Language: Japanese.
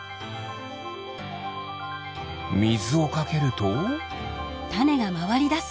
みずをかけると。